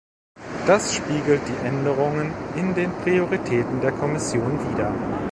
Das spiegelt die Änderungen in den Prioritäten der Kommission wider.